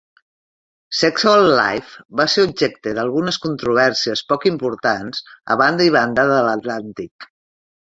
"Sexual Life" va ser objecte d"algunes controvèrsies poc importants a banda i banda de l'Atlàntic.